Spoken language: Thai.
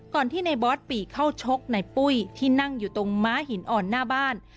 ที่ในบอสปีดเข้าชกในปุ้ยที่นั่งอยู่ตรงม้าหินอ่อนหน้าบ้าน